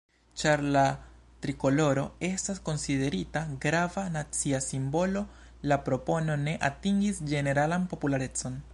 Ĉar la trikoloro estas konsiderita grava nacia simbolo, la propono ne atingis ĝeneralan popularecon.